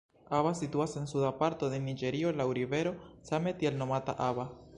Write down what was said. Aba situas en suda parto de Niĝerio laŭ rivero same tiel nomata Aba.